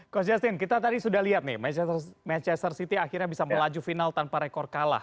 coach justin kita tadi sudah lihat nih manchester city akhirnya bisa melaju final tanpa rekor kalah